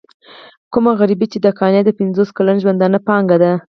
کومه غريبي چې د قانع د پنځوس کلن ژوندانه پانګه ده.